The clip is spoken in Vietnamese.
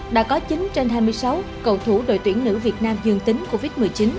đã có chín trên hai mươi sáu cầu thủ đội tuyển nữ việt nam dương tính covid một mươi chín